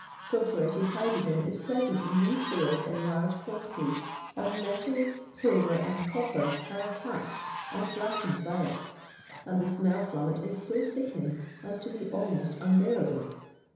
Sulphuretted hydrogen id present in these sewers in largo quantities, as metals, silver and coppc>r, are attacked and black ened by it ; and the smell from it is so sickening Of to be almost unbearable."